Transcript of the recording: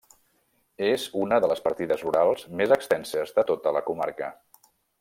És una de les partides rurals més extenses de tota la comarca.